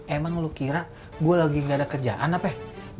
emang lu kira gue lagi gak ada kerjaan apa ya